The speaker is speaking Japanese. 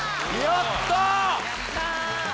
やった！